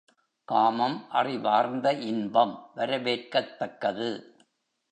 காமம் அறிவார்ந்த இன்பம் வரவேற்கத்தக்கது.